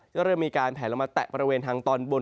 เริ่มมีการแผลลงมาแตะบริเวณทางตอนบน